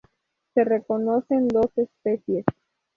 Se reconocen dos especies.